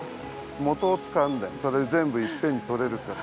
元をつかんでそれで全部いっぺんに採れるから。